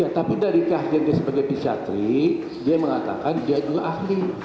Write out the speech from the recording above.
tapi dari keahlian dia sebagai psiatri dia mengatakan dia juga ahli